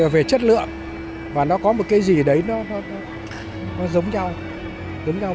về chất lượng và nó có một cái gì đấy nó giống nhau